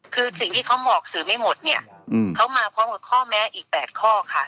คือสิ่งที่เขาบอกสื่อไม่หมดเนี่ยเขามาพร้อมกับข้อแม้อีก๘ข้อค่ะ